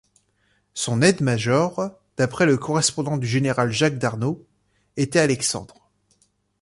Son aide-major, d'après le correspondant du général Jacques Darnaud, était Alexandre.